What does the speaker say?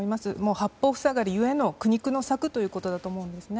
八方塞がりゆえの苦肉の策ということだと思うんですね。